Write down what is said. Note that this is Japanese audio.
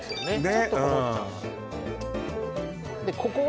ちょっとこもっちゃうんすよね